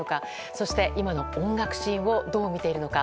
そして、今の音楽シーンをどう見ているのか。